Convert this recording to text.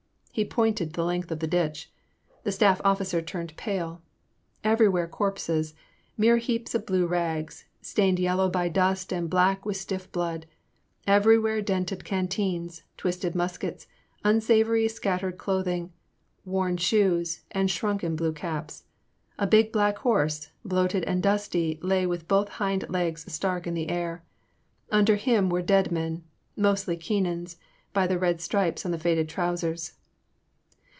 He pointed the length of the ditch. The staff officer turned pale. Everywhere corpses, — ^mere heaps of blue rags, stained yellow by dust and black with stiff blood, everywhere dented can teens, twisted muskets, unsavory scattered cloth ing, worn shoes, and shrunken blue caps. A big black horse, bloated and dusty lay with both hind legs stark in the air ; under him were dead men, mostly Keenan's, by the red stripes on the faded trousers.